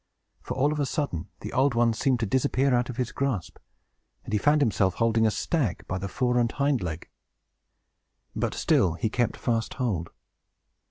For, all of a sudden, the Old One seemed to disappear out of his grasp, and he found himself holding a stag by the fore and hind leg! But still he kept fast hold.